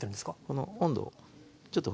この温度をちょっとほら。